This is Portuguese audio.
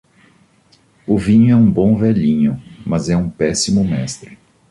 O vinho é um bom velhinho, mas é um péssimo mestre.